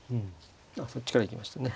そっちから行きましたね。